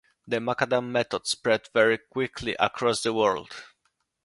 The macadam method spread very quickly across the world.